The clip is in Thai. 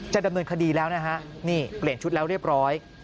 ดำเนินคดีแล้วนะฮะนี่เปลี่ยนชุดแล้วเรียบร้อย